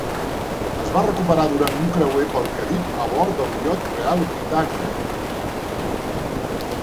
Es va recuperar durant un creuer pel Carib a bord del iot real "Britannia".